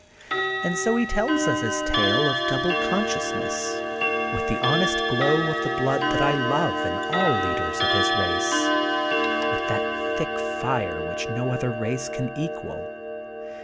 And so he tells us his tale of double con sciousness, with the honest glow of the blood that I love in all leaders of his race, with that thick fire which no other race can equal.